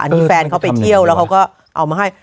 อันนี้แฟนเขาไปเที่ยวแล้วเขาก็เอามาให้